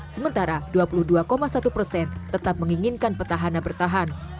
sementara dua puluh dua satu persen tetap menginginkan petahana bertahan